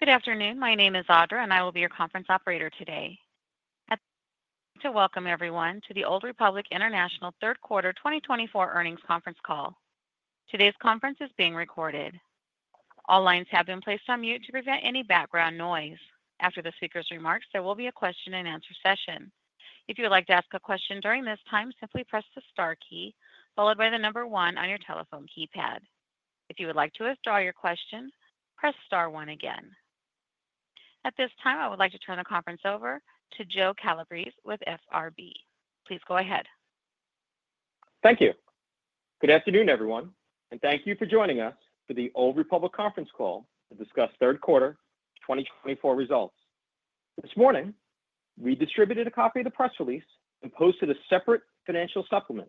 Good afternoon. My name is Audra, and I will be your conference operator today. To welcome everyone to the Old Republic International third quarter 2024 earnings conference call. Today's conference is being recorded. All lines have been placed on mute to prevent any background noise. After the speaker's remarks, there will be a question-and-answer session. If you would like to ask a question during this time, simply press the star key followed by the number one on your telephone keypad. If you would like to withdraw your question, press star one again. At this time, I would like to turn the conference over to Joe Calabrese with FRB. Please go ahead. Thank you. Good afternoon, everyone, and thank you for joining us for the Old Republic conference call to discuss third 2024 results. This morning, we distributed a copy of the press release and posted a separate financial supplement.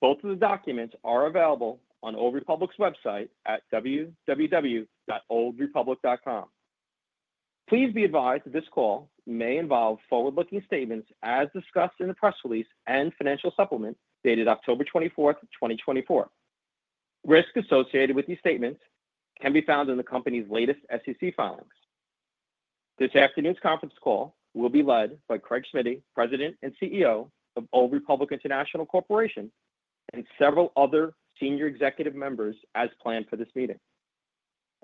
Both of the documents are available on Old Republic's website at www.oldrepublic.com. Please be advised that this call may involve forward-looking statements as discussed in the press release and financial supplement dated October 24th, 2024. Risks associated with these statements can be found in the company's latest SEC filings. This afternoon's conference call will be led by Craig Smiddy, President and CEO of Old Republic International Corporation, and several other senior executive members as planned for this meeting.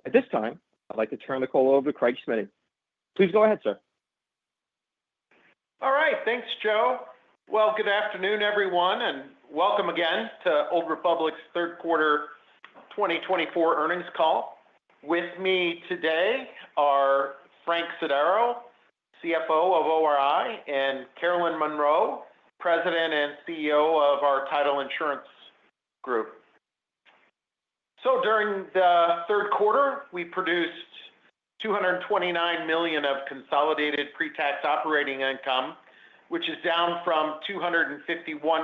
At this time, I'd like to turn the call over to Craig Smiddy. Please go ahead, sir. All right. Thanks, Joe. Well, good afternoon, everyone, and welcome again to Old Republic's third quarter 2024 earnings call. With me today are Frank Sodaro, CFO of ORI, and Carolyn Monroe, President and CEO of our Title Insurance Group. So, during the third quarter, we produced $229 million of consolidated pre-tax operating income, which is down from $251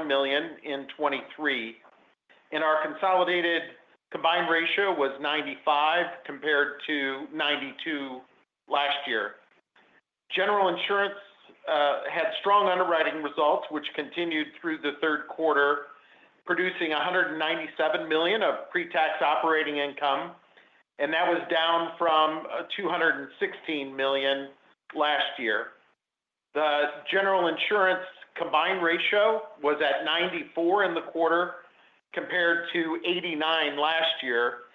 million in 2023, and our consolidated combined ratio was 95% compared to 92% last year. General Insurance had strong underwriting results, which continued through the third quarter, producing $197 million of pre-tax operating income, and that was down from $216 million last year. The General Insurance combined ratio was at 94% in the quarter, compared to 89% last year,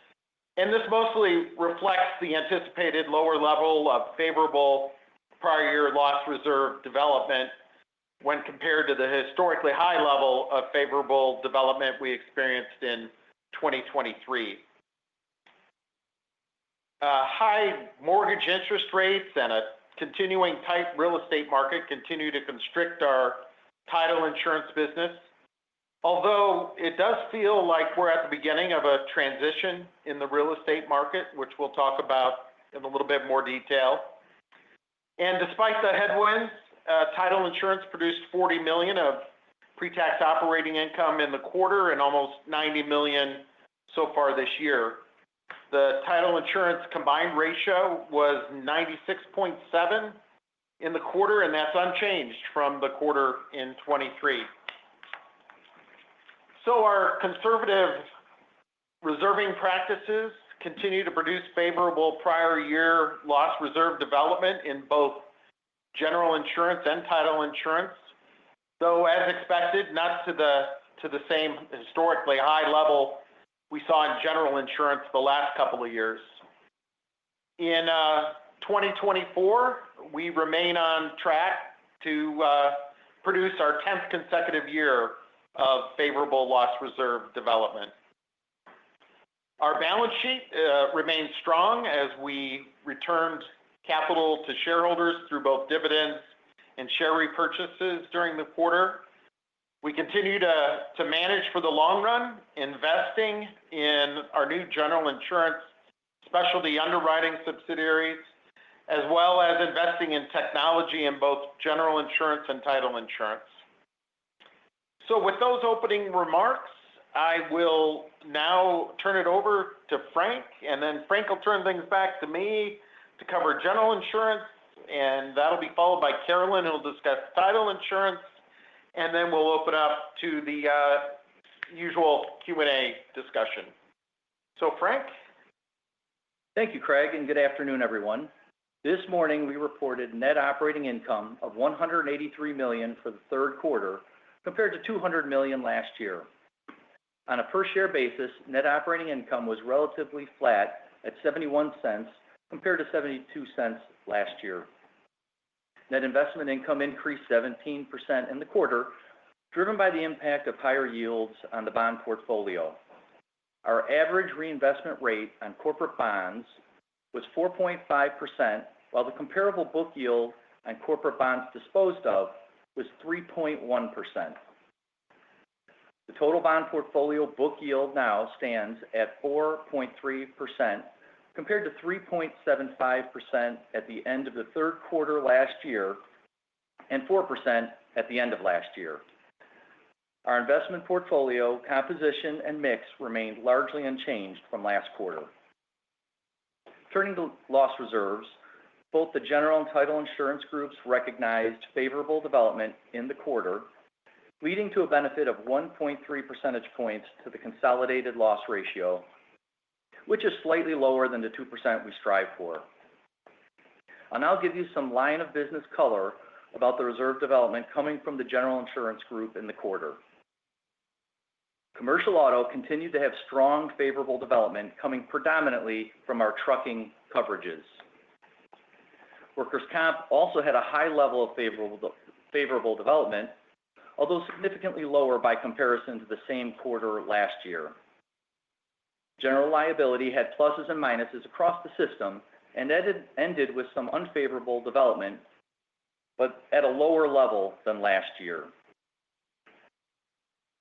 and this mostly reflects the anticipated lower level of favorable prior year loss reserve development when compared to the historically high level of favorable development we experienced in 2023. High mortgage interest rates and a continuing tight real estate market continue to constrict our Title Insurance business. Although, it does feel like we're at the beginning of a transition in the real estate market, which we'll talk about in a little bit more detail. And despite the headwinds, Title Insurance produced $40 million of pre-tax operating income in the quarter and almost $90 million so far this year. The Title Insurance combined ratio was 96.7% in the quarter, and that's unchanged from the quarter in 2023. Our conservative reserving practices continue to produce favorable prior year loss reserve development in both General Insurance and Title Insurance, though, as expected, not to the same historically high level we saw in General Insurance the last couple of years. In 2024, we remain on track to produce our 10th consecutive year of favorable loss reserve development. Our balance sheet remains strong as we returned capital to shareholders through both dividends and share repurchases during the quarter. We continue to manage for the long run, investing in our new General Insurance specialty underwriting subsidiaries, as well as investing in technology in both General Insurance and Title Insurance. So with those opening remarks, I will now turn it over to Frank, and then Frank will turn things back to me to cover General Insurance, and that'll be followed by Carolyn, who will discuss Title Insurance, and then we'll open up to the usual Q&A discussion. So Frank? Thank you, Craig, and good afternoon, everyone. This morning, we reported net operating income of $183 million for the third quarter, compared to $200 million last year. On a per-share basis, net operating income was relatively flat at $0.71, compared to $0.72 last year. Net investment income increased 17% in the quarter, driven by the impact of higher yields on the bond portfolio. Our average reinvestment rate on corporate bonds was 4.5%, while the comparable book yield on corporate bonds disposed of was 3.1%. The total bond portfolio book yield now stands at 4.3%, compared to 3.75% at the end of the third quarter last year, and 4% at the end of last year. Our investment portfolio composition and mix remained largely unchanged from last quarter. Turning to loss reserves, both the General and Title Insurance groups recognized favorable development in the quarter. Leading to a benefit of 1.3 percentage points to the consolidated loss ratio, which is slightly lower than the 2% we strive for. I'll now give you some line of business color about the reserve development coming from the General Insurance group in the quarter. Commercial auto continued to have strong, favorable development, coming predominantly from our trucking coverages. Workers' comp also had a high level of favorable development, although significantly lower by comparison to the same quarter last year. General liability had pluses and minuses across the system, and ended with some unfavorable development, but at a lower level than last year.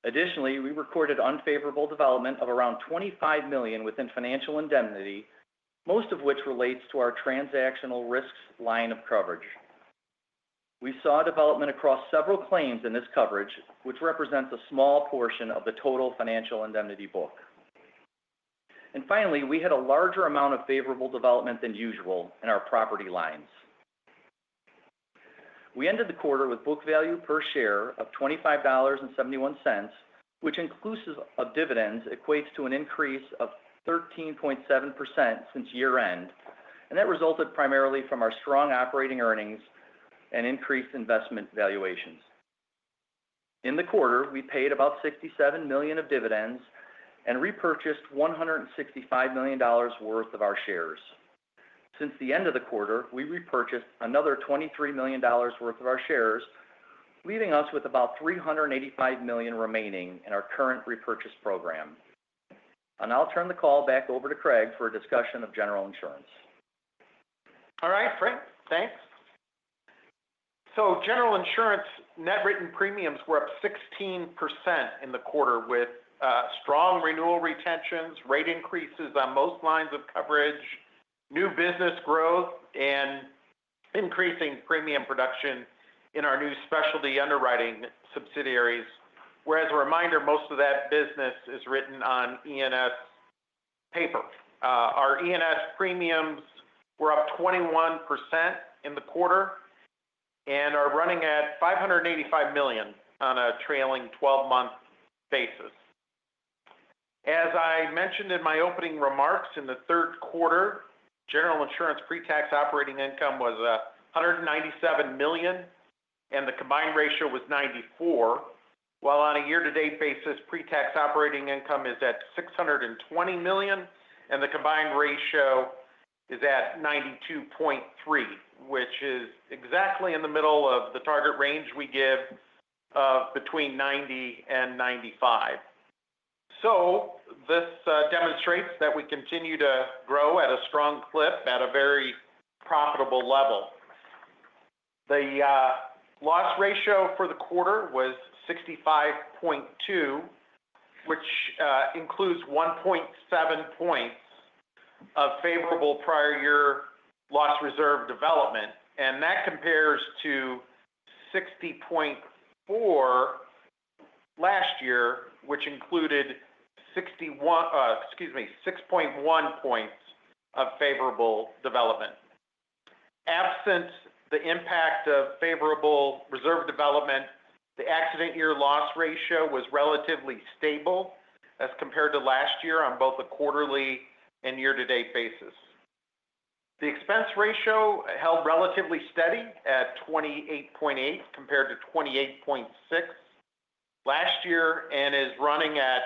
Additionally, we recorded unfavorable development of around $25 million within financial indemnity, most of which relates to our transactional risks line of coverage. We saw development across several claims in this coverage, which represents a small portion of the total financial indemnity book, and finally, we had a larger amount of favorable development than usual in our property lines. We ended the quarter with book value per share of $25.71, which inclusive of dividends, equates to an increase of 13.7% since year-end, and that resulted primarily from our strong operating earnings and increased investment valuations. In the quarter, we paid about $67 million of dividends and repurchased $165 million worth of our shares. Since the end of the quarter, we repurchased another $23 million worth of our shares, leaving us with about $385 million remaining in our current repurchase program. I'll now turn the call back over to Craig for a discussion of General Insurance. All right, Frank, thanks. So General Insurance net written premiums were up 16% in the quarter, with strong renewal retentions, rate increases on most lines of coverage, new business growth, and increasing premium production in our new specialty underwriting subsidiaries. Where, as a reminder, most of that business is written on E&S paper. Our E&S premiums were up 21% in the quarter and are running at $585 million on a trailing 12-month basis. As I mentioned in my opening remarks, in the third quarter, General Insurance pretax operating income was $197 million, and the combined ratio was 94%. While on a year-to-date basis, pretax operating income is at $620 million, and the combined ratio is at 92.3%, which is exactly in the middle of the target range we give of between 90% and 95%. This demonstrates that we continue to grow at a strong clip at a very profitable level. The loss ratio for the quarter was 65.2%, which includes 1.7 points of favorable prior year loss reserve development, and that compares to 60.4% last year, which included, excuse me, 6.1 points of favorable development. Absent the impact of favorable reserve development, the accident year loss ratio was relatively stable as compared to last year on both a quarterly and year-to-date basis. The expense ratio held relatively steady at 28.8%, compared to 28.6% last year, and is running at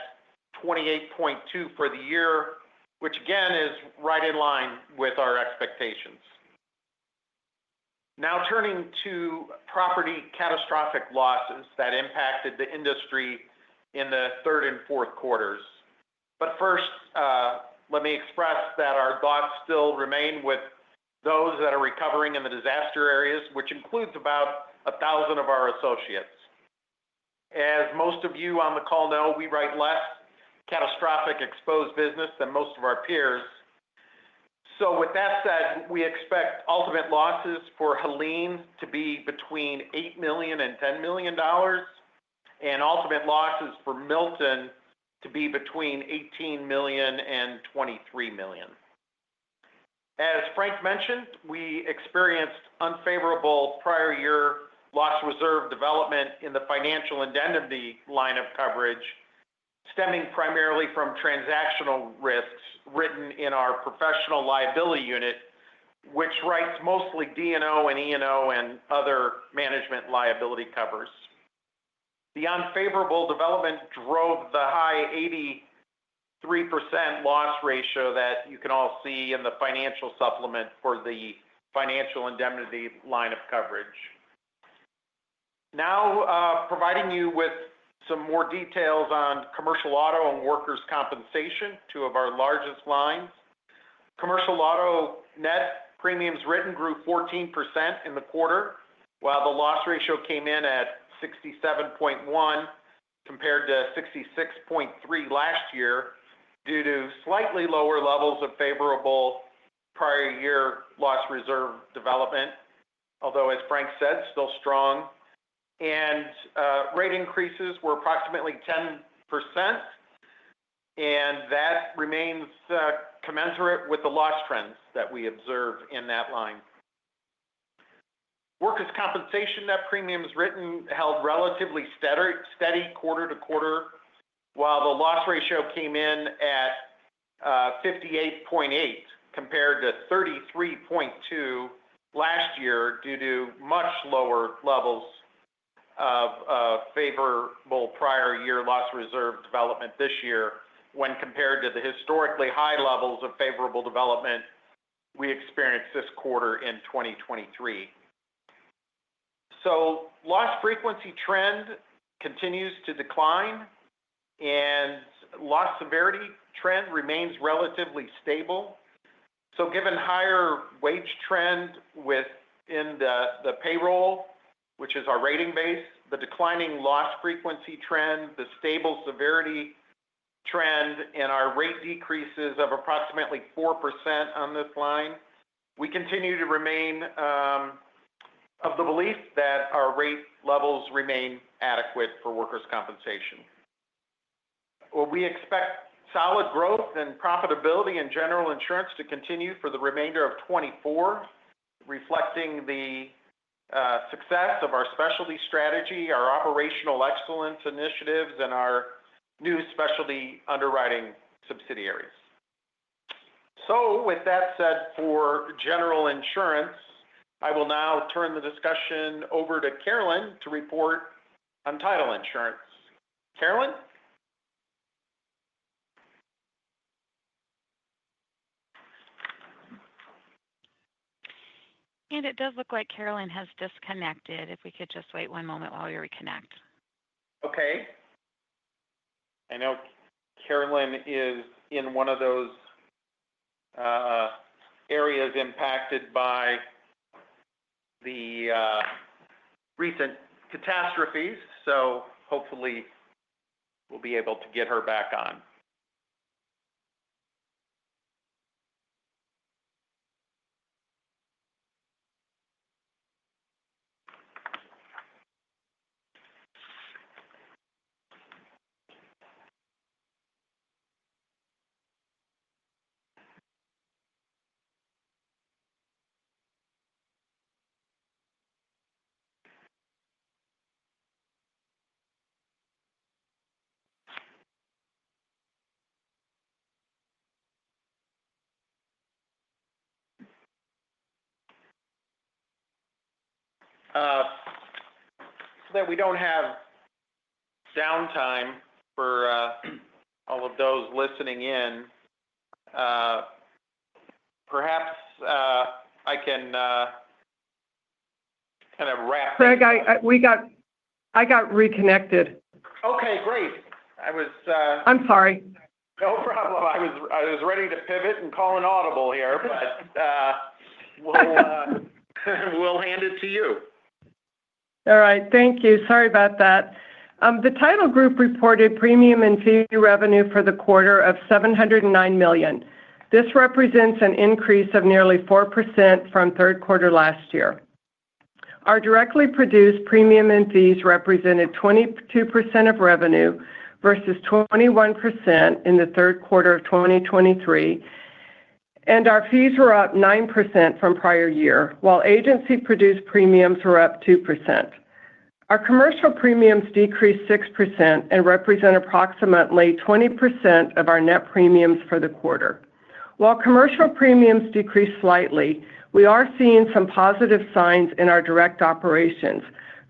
28.2% for the year, which again, is right in line with our expectations. Now, turning to property catastrophic losses that impacted the industry in the third and fourth quarters. But first, let me express that our thoughts still remain with those that are recovering in the disaster areas, which includes about a thousand of our associates. As most of you on the call know, we write less catastrophic exposed business than most of our peers. So with that said, we expect ultimate losses for Helene to be between $8 million and $10 million, and ultimate losses for Milton to be between $18 million and $23 million. As Frank mentioned, we experienced unfavorable prior year loss reserve development in the financial indemnity line of coverage, stemming primarily from transactional risks written in our professional liability unit, which writes mostly D&O and E&O and other management liability covers. The unfavorable development drove the high 83% loss ratio that you can all see in the financial supplement for the financial indemnity line of coverage. Now, providing you with some more details on commercial auto and workers' compensation, two of our largest lines. Commercial auto net premiums written grew 14% in the quarter, while the loss ratio came in at 67.1%, compared to 66.3% last year, due to slightly lower levels of favorable prior year loss reserve development. Although, as Frank said, still strong. And rate increases were approximately 10% and that remains, commensurate with the loss trends that we observe in that line. Workers' compensation, net premiums written held relatively steady quarter to quarter, while the loss ratio came in at, 58.8%, compared to 33.2% last year, due to much lower levels of, favorable prior year loss reserve development this year, when compared to the historically high levels of favorable development we experienced this quarter in 2023. Loss frequency trend continues to decline, and loss severity trend remains relatively stable. Given higher wage trend within the payroll, which is our rating base, the declining loss frequency trend, the stable severity trend, and our rate decreases of approximately 4% on this line, we continue to remain of the belief that our rate levels remain adequate for workers' compensation. We expect solid growth and profitability in General Insurance to continue for the remainder of 2024, reflecting the success of our specialty strategy, our operational excellence initiatives, and our new specialty underwriting subsidiaries. With that said, for General Insurance, I will now turn the discussion over to Carolyn to report on Title Insurance. Carolyn? It does look like Carolyn has disconnected. If we could just wait one moment while we reconnect. Okay. I know Carolyn is in one of those areas impacted by the recent catastrophes, so hopefully we'll be able to get her back on. So that we don't have downtime for all of those listening in, perhaps I can kind of wrap. Craig, I got reconnected. Okay, great. I was... I'm sorry. No problem. I was ready to pivot and call an audible here, but we'll hand it to you. All right. Thank you. Sorry about that. The Title group reported premium and fee revenue for the quarter of $709 million. This represents an increase of nearly 4% from the third quarter last year. Our directly produced premium and fees represented 22% of revenue, versus 21% in the third quarter of 2023, and our fees were up 9% from prior year, while agency-produced premiums were up 2%. Our commercial premiums decreased 6% and represent approximately 20% of our net premiums for the quarter. While commercial premiums decreased slightly, we are seeing some positive signs in our direct operations.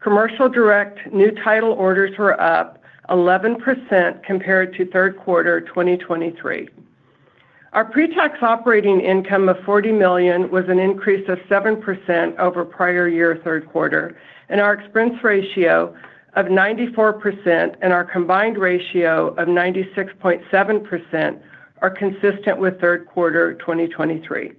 Commercial direct new title orders were up 11% compared to third quarter 2023. Our pre-tax operating income of $40 million was an increase of 7% over prior year third quarter, and our expense ratio of 94% and our combined ratio of 96.7% are consistent with third quarter 2023.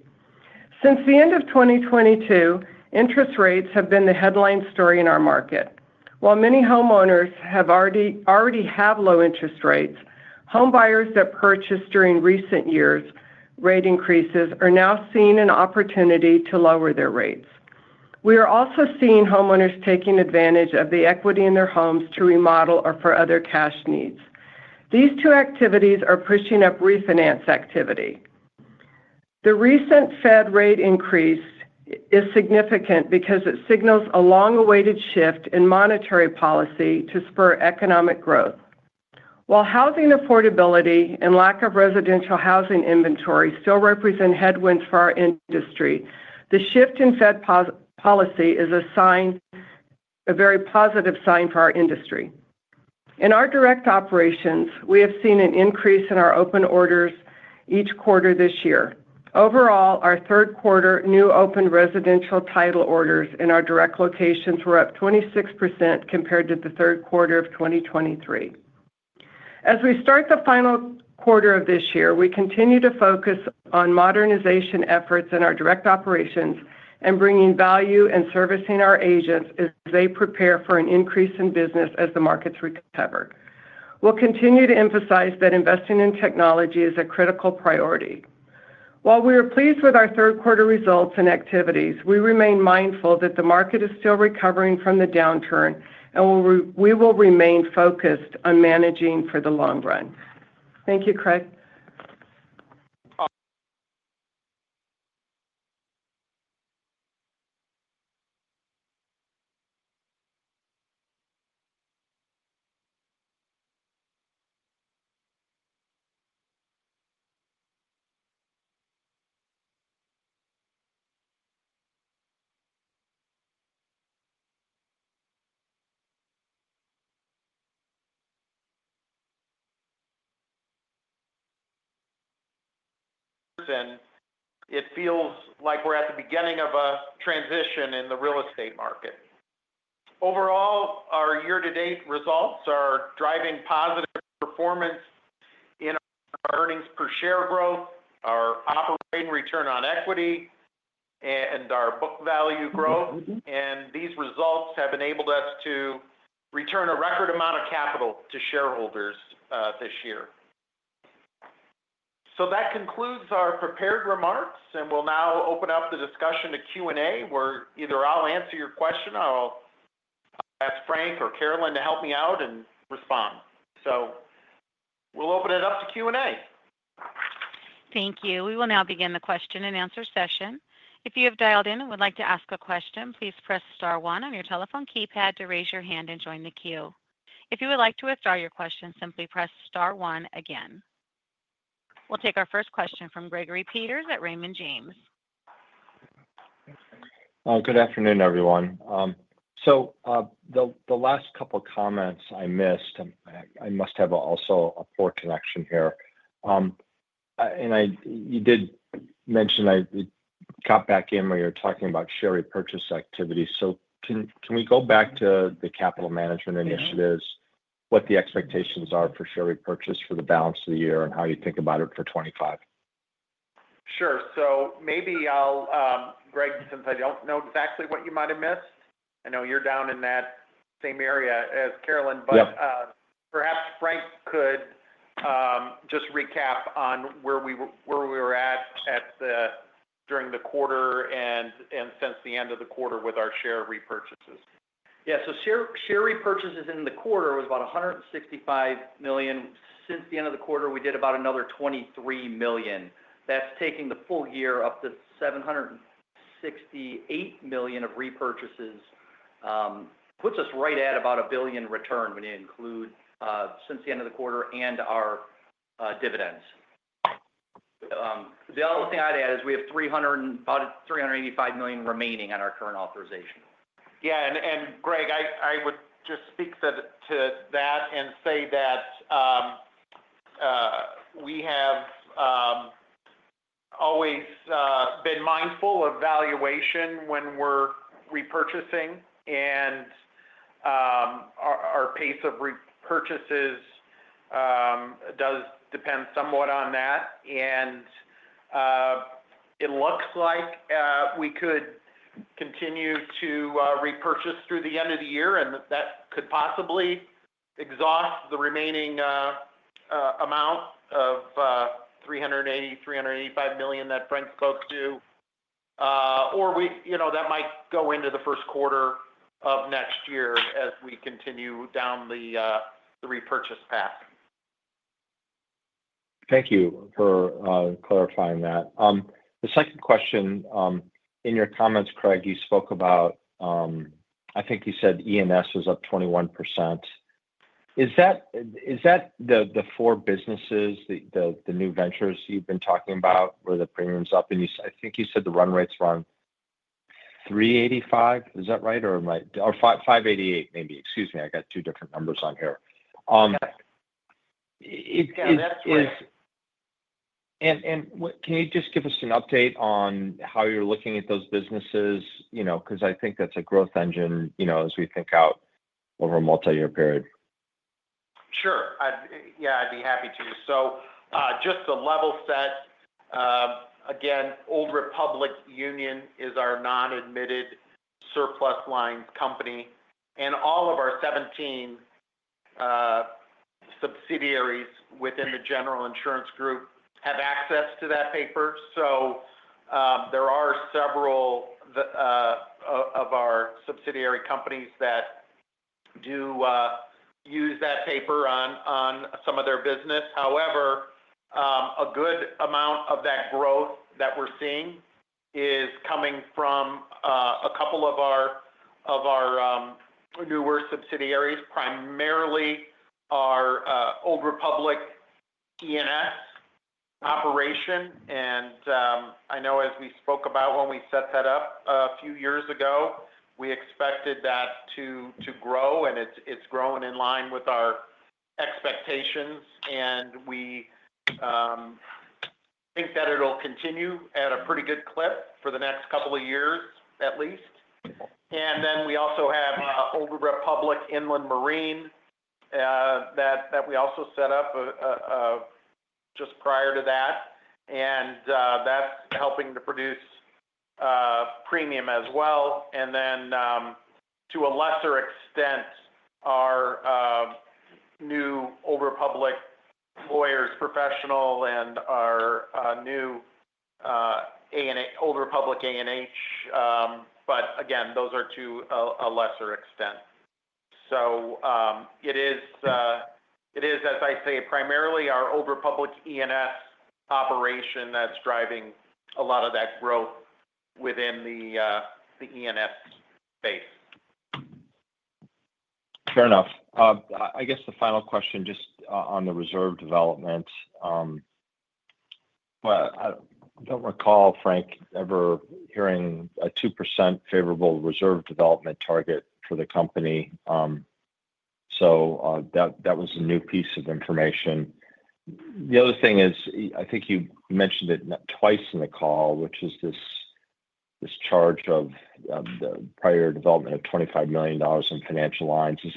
Since the end of 2022, interest rates have been the headline story in our market. While many homeowners have already have low interest rates, home buyers that purchased during recent years' rate increases are now seeing an opportunity to lower their rates. We are also seeing homeowners taking advantage of the equity in their homes to remodel or for other cash needs. These two activities are pushing up refinance activity. The recent Fed rate increase is significant because it signals a long-awaited shift in monetary policy to spur economic growth. While housing affordability and lack of residential housing inventory still represent headwinds for our industry, the shift in Fed policy is a sign, a very positive sign for our industry. In our direct operations, we have seen an increase in our open orders each quarter this year. Overall, our third quarter new open residential title orders in our direct locations were up 26% compared to the third quarter of 2023. As we start the final quarter of this year, we continue to focus on modernization efforts in our direct operations and bringing value and servicing our agents as they prepare for an increase in business as the markets recover. We'll continue to emphasize that investing in technology is a critical priority. While we are pleased with our third quarter results and activities, we remain mindful that the market is still recovering from the downturn, and we will remain focused on managing for the long run. Thank you, Craig. It feels like we're at the beginning of a transition in the real estate market. Overall, our year-to-date results are driving positive performance in our earnings per share growth, our operating return on equity, and our book value growth. These results have enabled us to return a record amount of capital to shareholders this year. That concludes our prepared remarks, and we'll now open up the discussion to Q&A, where either I'll answer your question or I'll ask Frank or Carolyn to help me out and respond. We'll open it up to Q&A. Thank you. We will now begin the question-and-answer session. If you have dialed in and would like to ask a question, please press star one on your telephone keypad to raise your hand and join the queue. If you would like to withdraw your question, simply press star one again. We'll take our first question from Gregory Peters at Raymond James. Good afternoon, everyone. The last couple of comments I missed, and I must have also a poor connection here. You did mention, I got back in when you were talking about share repurchase activity. So can we go back to the capital management initiatives? Yeah. What the expectations are for share repurchase for the balance of the year and how you think about it for 2025? Sure. So maybe I'll, Greg, since I don't know exactly what you might have missed, I know you're down in that same area as Carolyn. Yeah. But, perhaps Frank could just recap on where we were at during the quarter and since the end of the quarter with our share repurchases. Yeah. Share repurchases in the quarter was about $165 million. Since the end of the quarter, we did about another $23 million. That's taking the full year up to $768 million of repurchases, puts us right at about $1 billion return when you include, since the end of the quarter and our, dividends. The only thing I'd add is we have 300 and about $385 million remaining on our current authorization. Yeah. And, Greg, I would just speak to that and say that we have always been mindful of valuation when we're repurchasing, and our pace of repurchases does depend somewhat on that. And it looks like we could continue to repurchase through the end of the year, and that could possibly exhaust the remaining amount of $385 million that Frank spoke to. Or we, you know, that might go into Q1 of next year as we continue down the repurchase path. Thank you for clarifying that. The second question, in your comments, Craig, you spoke about, I think you said E&S was up 21%. Is that the four businesses, the new ventures you've been talking about, where the premium's up? And you, I think you said the run rate's around 385. Is that right? Or am I-- or 588, maybe. Excuse me, I got two different numbers on here. It is- Yeah, that's right. What can you just give us an update on how you're looking at those businesses? You know, because I think that's a growth engine, you know, as we think out over a multi-year period. Sure. Yeah, I'd be happy to. So, just to level set, again, Old Republic Union is our non-admitted surplus lines company, and all of our 17 subsidiaries within the General Insurance group have access to that paper. So, there are several of our subsidiary companies that do use that paper on some of their business. However, a good amount of that growth that we're seeing is coming from a couple of our newer subsidiaries, primarily our Old Republic E&S operation. And I know as we spoke about when we set that up a few years ago, we expected that to grow, and it's growing in line with our expectations. And we think that it'll continue at a pretty good clip for the next couple of years at least. And then we also have Old Republic Inland Marine that we also set up just prior to that, and that's helping to produce premium as well. And then to a lesser extent, our new Old Republic Professional and our new Old Republic A&H. But again, those are to a lesser extent. So it is, as I say, primarily our Old Republic E&S operation that's driving a lot of that growth within the E&S space. Fair enough. I guess the final question just on the reserve development. I don't recall Frank ever hearing a 2% favorable reserve development target for the company. That was a new piece of information. The other thing is, I think you mentioned it twice in the call, which is this charge of the prior development of $25 million in financial lines. Was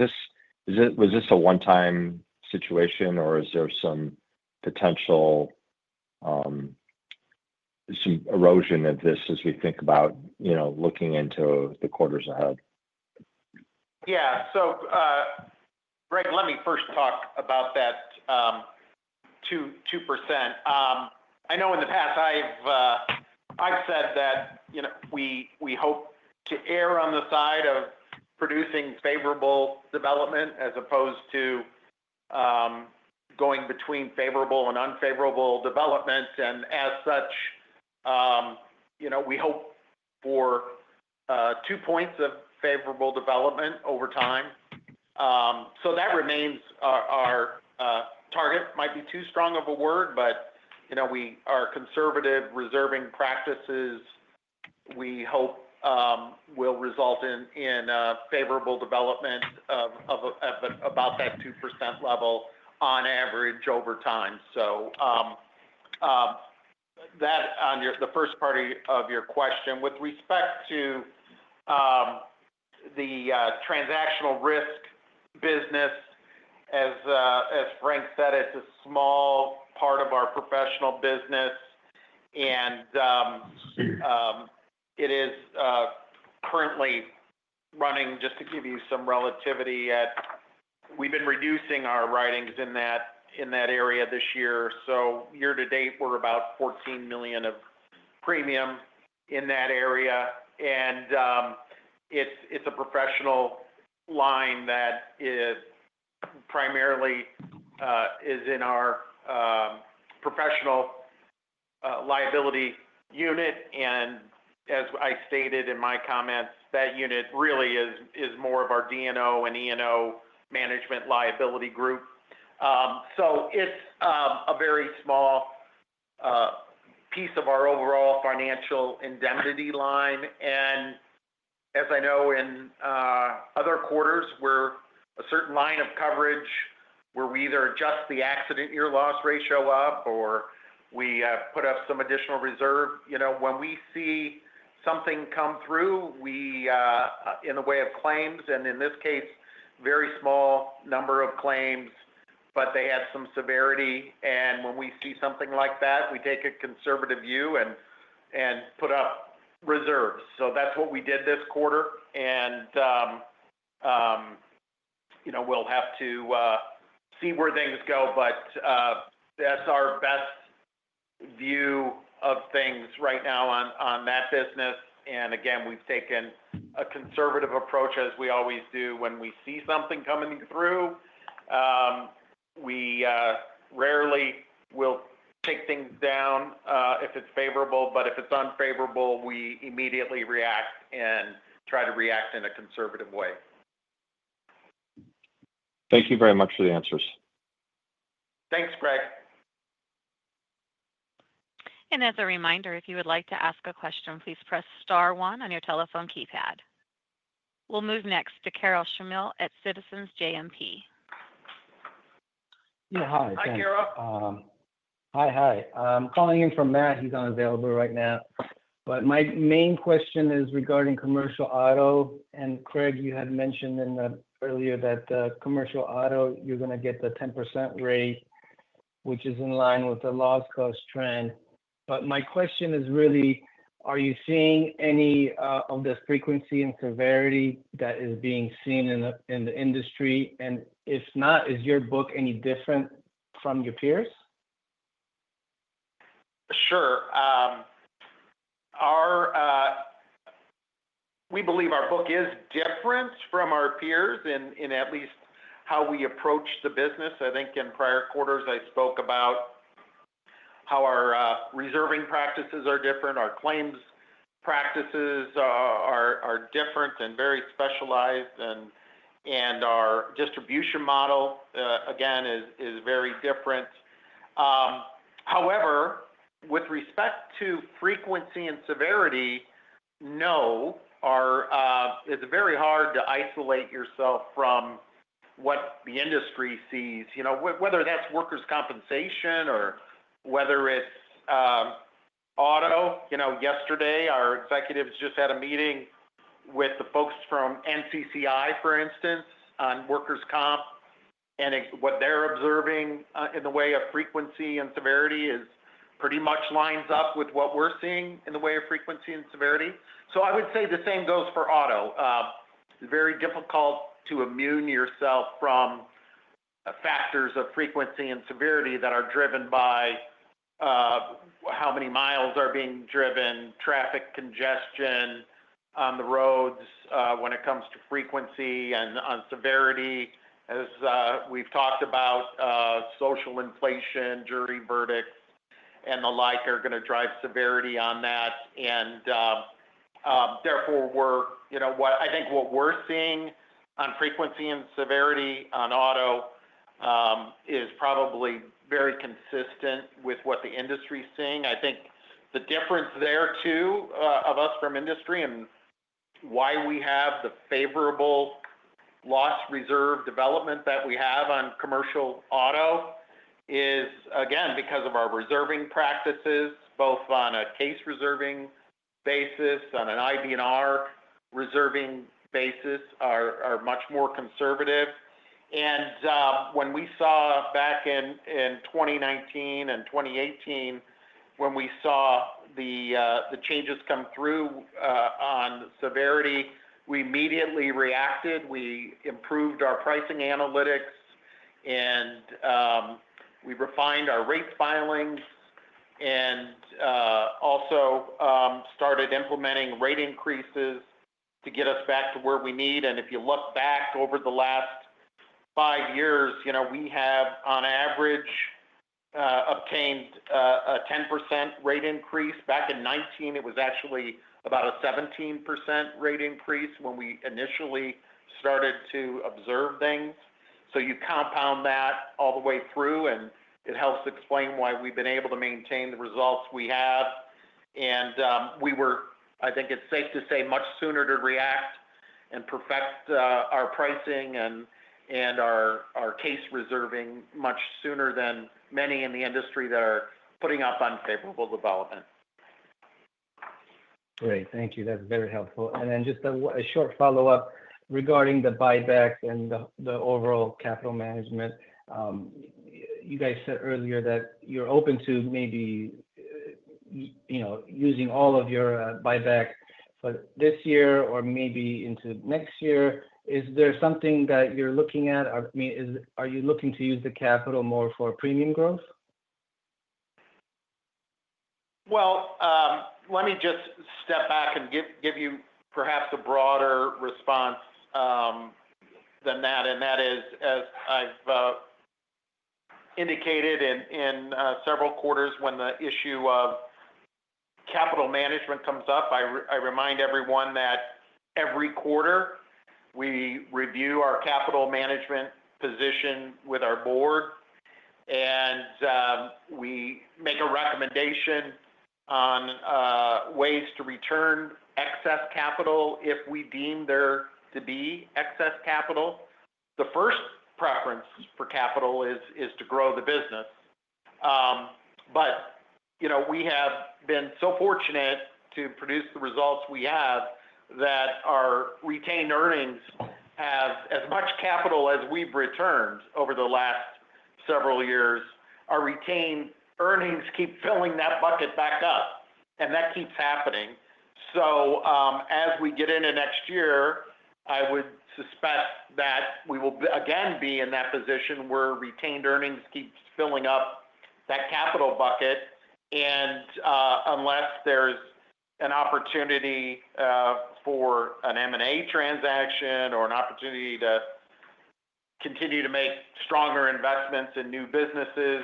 this a one-time situation, or is there some potential, some erosion of this as we think about, you know, looking into the quarters ahead? Yeah, so, Greg, let me first talk about that 2%. I know in the past I've said that, you know, we hope to err on the side of producing favorable development as opposed to going between favorable and unfavorable developments, and as such, you know, we hope for two points of favorable development over time, so that remains our target. Might be too strong of a word, but, you know, we are conservative reserving practices, we hope, will result in favorable development of about that 2% level on average over time, so that on the first part of your question. With respect to the transactional risk business, as Frank said, it's a small part of our professional business, and it is currently running, just to give you some relativity. We've been reducing our writings in that area this year. So, year to date, we're about $14 million of premium in that area, and it's a professional line that is primarily is in our professional liability unit. And as I stated in my comments, that unit really is more of our D&O and E&O management liability group. So it's a very small piece of our overall financial indemnity line. And as I know, in other quarters, where a certain line of coverage where we either adjust the accident year loss ratio up or we put up some additional reserve, you know, when we see something come through in the way of claims, and in this case, very small number of claims, but they have some severity, and when we see something like that, we take a conservative view and put up reserves. So that's what we did this quarter. And you know, we'll have to see where things go, but that's our best view of things right now on that business. And again, we've taken a conservative approach, as we always do when we see something coming through. We rarely will take things down if it's favorable, but if it's unfavorable, we immediately react and try to react in a conservative way. Thank you very much for the answers. Thanks, Greg. And as a reminder, if you would like to ask a question, please press star one on your telephone keypad. We'll move next to Karol Chmiel at Citizens JMP. Yeah, hi. Hi, Carol. Hi. I'm calling in from Matt. He's unavailable right now, but my main question is regarding commercial auto. And Craig, you had mentioned in the earlier that commercial auto, you're going to get the 10% rate, which is in line with the loss cost trend. But my question is really, are you seeing any of this frequency and severity that is being seen in the industry? And if not, is your book any different from your peers? Sure. We believe our book is different from our peers in at least how we approach the business. I think in prior quarters, I spoke about how our reserving practices are different, our claims practices are different and very specialized, and our distribution model, again, is very different. However, with respect to frequency and severity, no, it's very hard to isolate yourself from what the industry sees, you know, whether that's workers' compensation or whether it's auto. You know, yesterday, our executives just had a meeting with the folks from NCCI, for instance, on workers' comp, and what they're observing in the way of frequency and severity is pretty much lines up with what we're seeing in the way of frequency and severity. So I would say the same goes for auto. Very difficult to immunize yourself from factors of frequency and severity that are driven by how many miles are being driven, traffic congestion on the roads, when it comes to frequency and on severity, as we've talked about, social inflation, jury verdicts, and the like, are going to drive severity on that. Therefore, you know what? I think what we're seeing on frequency and severity on auto is probably very consistent with what the industry is seeing. I think the difference there, too, of us from industry and why we have the favorable loss reserve development that we have on commercial auto is, again, because of our reserving practices, both on a case reserving basis, on an IBNR reserving basis, are much more conservative. When we saw back in 2019 and 2018, when we saw the changes come through on severity, we immediately reacted. We improved our pricing analytics, and we refined our rate filings and also started implementing rate increases to get us back to where we need. If you look back over the last five years, you know, we have, on average, obtained a 10% rate increase. Back in 2019, it was actually about a 17% rate increase when we initially started to observe things. You compound that all the way through, and it helps explain why we've been able to maintain the results we have. We were, I think it's safe to say, much sooner to react and perfect our pricing and our case reserving much sooner than many in the industry that are putting up unfavorable developments. Great. Thank you. That's very helpful. And then just a short follow-up regarding the buyback and the overall capital management. You guys said earlier that you're open to maybe, you know, using all of your buyback for this year or maybe into next year. Is there something that you're looking at? Or, I mean, are you looking to use the capital more for premium growth? Well, let me just step back and give you perhaps a broader response than that. And that is, as I've indicated in several quarters, when the issue of capital management comes up, I remind everyone that every quarter, we review our capital management position with our board, and we make a recommendation on ways to return excess capital if we deem there to be excess capital. The first preference for capital is to grow the business. But you know, we have been so fortunate to produce the results we have, that our retained earnings have as much capital as we've returned over the last several years. Our retained earnings keep filling that bucket back up, and that keeps happening. As we get into next year, I would suspect that we will be again in that position where retained earnings keeps filling up that capital bucket. Unless there's an opportunity for an M&A transaction or an opportunity to continue to make stronger investments in new businesses,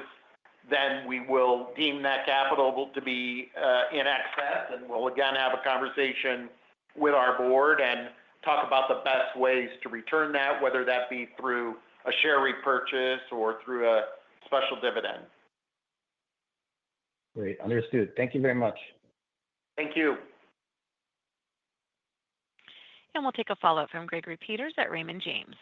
then we will deem that capital to be in excess. We will again have a conversation with our board and talk about the best ways to return that, whether that be through a share repurchase or through a special dividend. Great. Understood. Thank you very much. Thank you. We'll take a follow-up from Gregory Peters at Raymond James.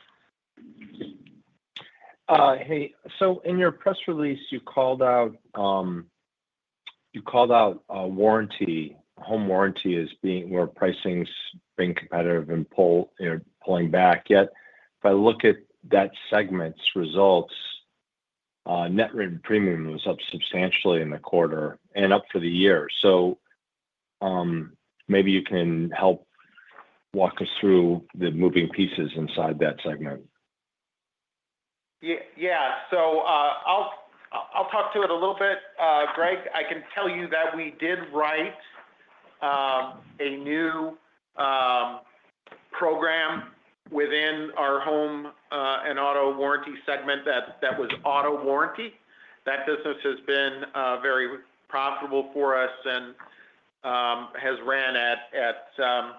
Hey, so in your press release, you called out warranty, home warranty as being where pricing's been competitive and pulling back, you know. Yet, if I look at that segment's results, net written premium was up substantially in the quarter and up for the year. So, maybe you can help walk us through the moving pieces inside that segment. Yeah. So, I'll talk to it a little bit. Greg, I can tell you that we did write a new program within our home and auto warranty segment that was auto warranty. That business has been very profitable for us and has run at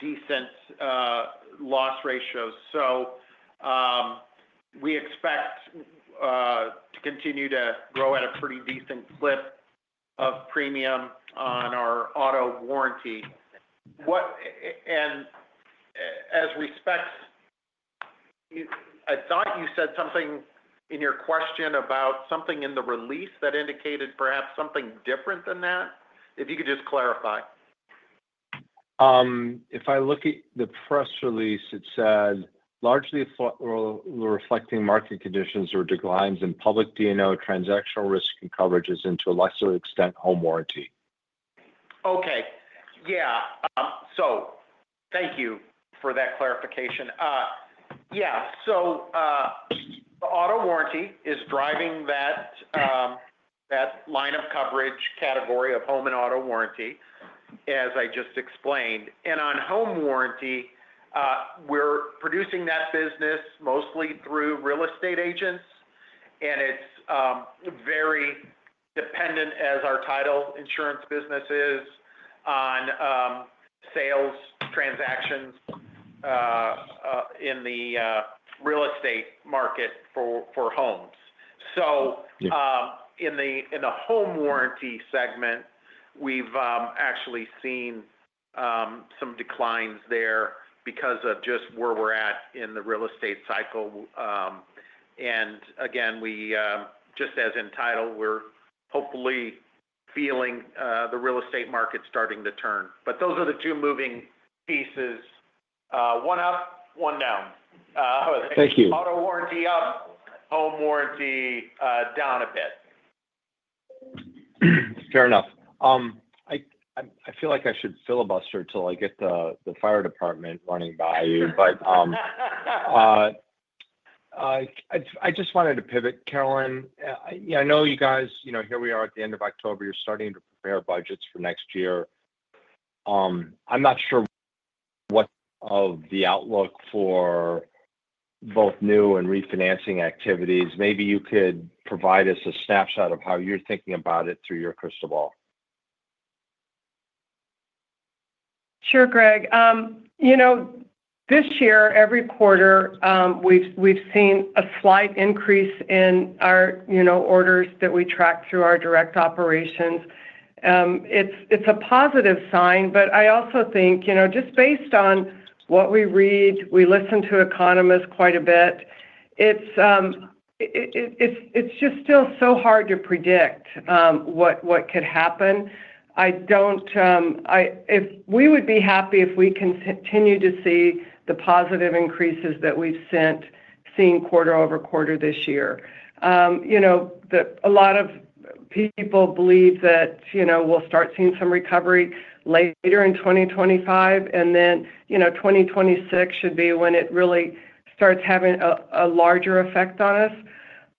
decent loss ratios. So, we expect to continue to grow at a pretty decent clip of premium on our auto warranty. And as respects you, I thought you said something in your question about something in the release that indicated perhaps something different than that? If you could just clarify. If I look at the press release, it said, largely reflecting market conditions or declines in public D&O transactional risk and coverages and to a lesser extent, home warranty. Okay. Yeah, so thank you for that clarification. Yeah, so, auto warranty is driving that, that line of coverage category of home and auto warranty, as I just explained. And on home warranty, we're producing that business mostly through real estate agents, and it's, very dependent as our Title Insurance business is on, sales transactions, in the real estate market for, for homes. So, in the home warranty segment, we've actually seen some declines there because of just where we're at in the real estate cycle. And again, we just as in title, we're hopefully feeling the real estate market starting to turn. But those are the two moving pieces. One up, one down. Thank you. Auto warranty up, Home Warranty down a bit. Fair enough. I feel like I should filibuster till I get the fire department running by you. But I just wanted to pivot, Carolyn. I know you guys, you know, here we are at the end of October, you're starting to prepare budgets for next year. I'm not sure what the outlook for both new and refinancing activities. Maybe you could provide us a snapshot of how you're thinking about it through your crystal ball. Sure, Greg. You know, this year, every quarter, we've seen a slight increase in our, you know, orders that we track through our direct operations. It's a positive sign, but I also think, you know, just based on what we read, we listen to economists quite a bit, it's just still so hard to predict what could happen. I don't we would be happy if we continue to see the positive increases that we've sent, seeing quarter-over-quarter this year. You know, a lot of people believe that, you know, we'll start seeing some recovery later in 2025, and then, you know, 2026 should be when it really starts having a larger effect on us.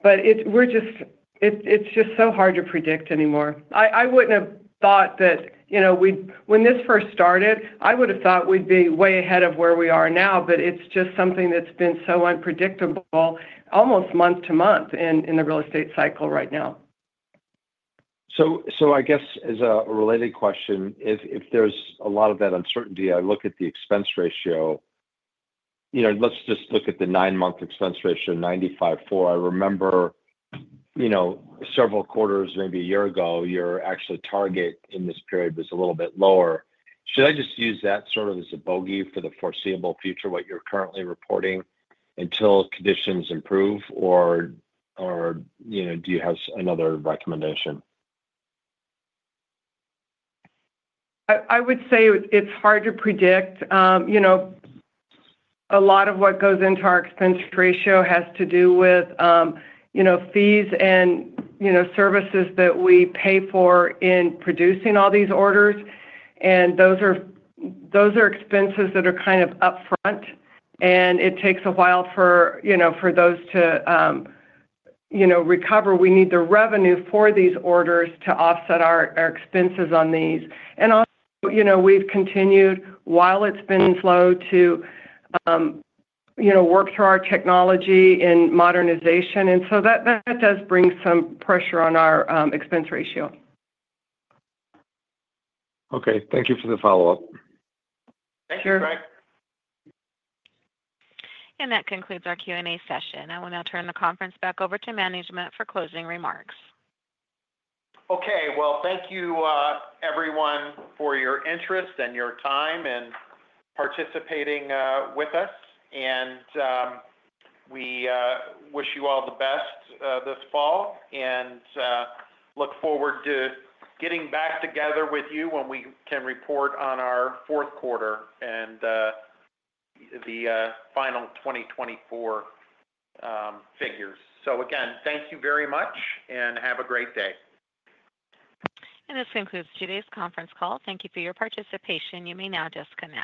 But it's just so hard to predict anymore. I wouldn't have thought that, you know, we, when this first started, I would have thought we'd be way ahead of where we are now, but it's just something that's been so unpredictable, almost month to month in the real estate cycle right now. So, I guess as a related question, if there's a lot of that uncertainty, I look at the expense ratio. You know, let's just look at the nine-month expense ratio, 95.4%. I remember, you know, several quarters, maybe a year ago, your actual target in this period was a little bit lower. Should I just use that sort of as a bogey for the foreseeable future, what you're currently reporting, until conditions improve, or, you know, do you have another recommendation? I would say it's hard to predict. You know, a lot of what goes into our expense ratio has to do with, you know, fees and, you know, services that we pay for in producing all these orders, and those are expenses that are kind of up front, and it takes a while for, you know, for those to, you know, recover. We need the revenue for these orders to offset our expenses on these. And also, you know, we've continued, while it's been slow, to, you know, work through our technology and modernization. And so that does bring some pressure on our expense ratio. Okay. Thank you for the follow-up. Thank you, Greg. Sure. That concludes our Q&A session. I will now turn the conference back over to management for closing remarks. Okay, well, thank you, everyone, for your interest and your time, and participating with us, and we wish you all the best this fall, and look forward to getting back together with you when we can report on our fourth quarter and the final twenty twenty-four figures, so again, thank you very much, and have a great day. This concludes today's conference call. Thank you for your participation. You may now disconnect.